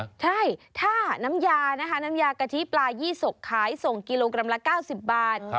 ใช่ถ้าน้ำยานะคะน้ำยากะทิปลายี่สกขายส่งกิโลกรัมละ๙๐บาท